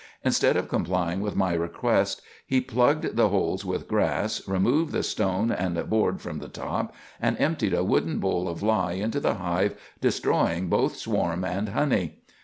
Instead of complying with my request, he plugged the holes with grass, removed the stone and board from the top, and emptied a wooden bowl of lye into the hive, destroying both swarm and honey.